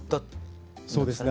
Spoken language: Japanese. そうですね。